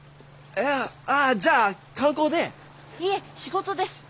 いいえ仕事です。